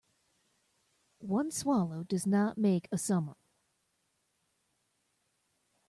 One swallow does not make a summer